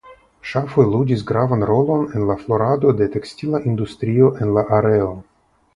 Ŝafoj ludis gravan rolon en la florado de tekstila industrio en la areo.